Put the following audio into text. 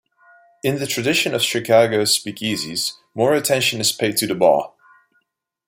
In the tradition of Chicago's speakeasies, more attention is paid to the bar.